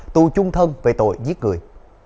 tù chung thân về tội giết người